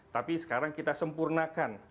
tapi sekarang kita sempurnakan